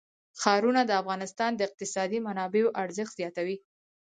ښارونه د افغانستان د اقتصادي منابعو ارزښت زیاتوي.